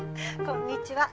こんにちは。